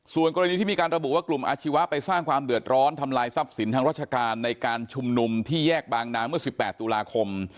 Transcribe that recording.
ส่วนกรณีที่มีการระบุว่ากลุ่มอาชีวะไปสร้างความเดือดร้อนทำลายทรัพย์สินทางราชการในการชุมนุมที่แยกบางนาเมื่อ๑๘ตุลาคม